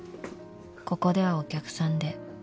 ［ここではお客さんで］